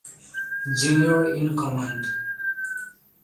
Junior in command.